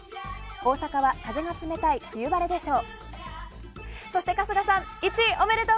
大阪は風の冷たい冬晴れでしょう。